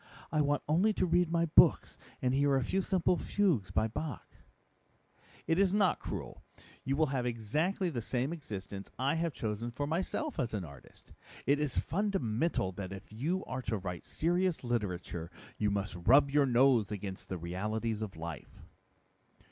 I want only to read my books and hear a few simple fugues by Bach." "It is not cruel. You will have exactly the same existence I have chosen for myself as an artist. It is fundamental that if you are to write serious literature, you must rub your nose against the realities of life."